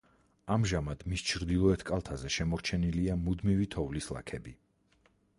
ამჟამად მის ჩრდილოეთ კალთაზე შემორჩენილია მუდმივი თოვლის ლაქები.